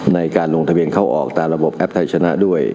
ในการลงทะเบียนเข้าออกตามระบบแอปไทยชนะด้วย